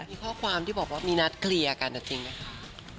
มีข้อความที่บอกว่ามีนัดเคลียร์กันจริงไหมคะ